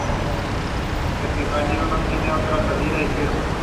Epifanio no tiene otra salida y firma.